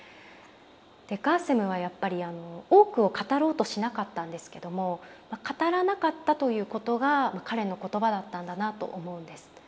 ガーセムはやっぱり多くを語ろうとしなかったんですけども語らなかったということが彼の言葉だったんだなと思うんです。